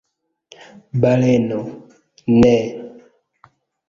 Baleno: "Ne."